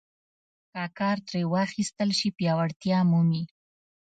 که کار ترې واخیستل شي پیاوړتیا مومي.